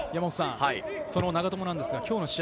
その長友なんですが今日の試合